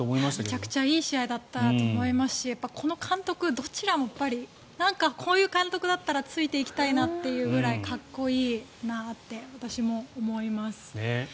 めちゃくちゃいい試合だったと思いますしこの監督どちらもこういう監督だったらついていきたいなというぐらいかっこいいなって私も思います。